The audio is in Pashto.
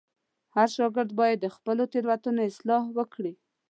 هر شاګرد باید د خپلو تېروتنو اصلاح وکړي.